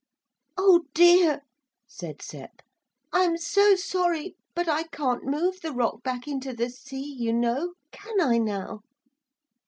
'Oh dear,' said Sep, 'I'm so sorry, but I can't move the rock back into the sea, you know. Can I now?'